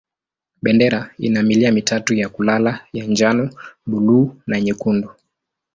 Bendera ina milia mitatu ya kulala ya njano, buluu na nyekundu.